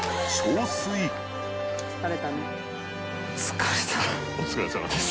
疲れたね。